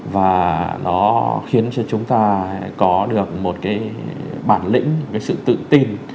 và nó khiến cho chúng ta có được một cái bản lĩnh cái sự tự tin